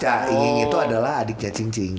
cie ing ing itu adalah adiknya cie cing cing